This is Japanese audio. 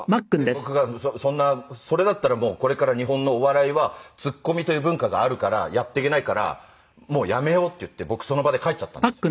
僕が「そんなそれだったらもうこれから日本のお笑いはツッコミという文化があるからやっていけないからもうやめよう」って言って僕その場で帰っちゃったんですよ。